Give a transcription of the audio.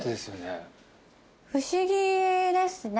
不思議ですね。